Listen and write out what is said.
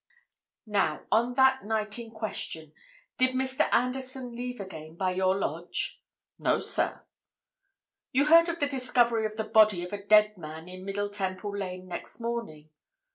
"Now, on that night in question, did Mr. Anderson leave again by your lodge?" "No, sir." "You heard of the discovery of the body of a dead man in Middle Temple Lane next morning?"